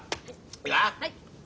いいか？